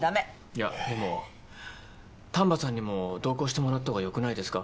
いやでも丹波さんにも同行してもらったほうが良くないですか？